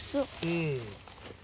うん。